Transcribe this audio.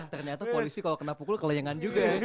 ternyata polisi kalau kena pukul kelayangan juga